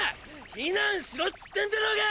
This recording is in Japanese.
避難しろっつってんだろうが！